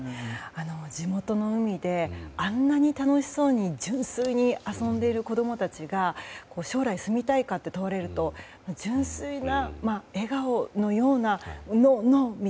地元の海であんなに楽しそうに純粋に遊んでいる子供たちが将来、住みたいかと問われると純粋な笑顔でノー。